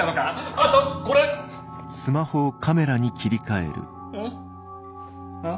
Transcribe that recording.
あとこれあっ？